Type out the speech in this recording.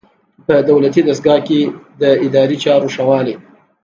په دولتي دستګاه کې د اداري چارو ښه والی.